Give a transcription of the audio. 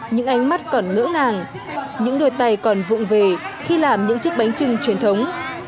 những ánh mắt còn ngỡ ngàng những đôi tay còn vụn về khi làm những chiếc bánh trưng truyền thống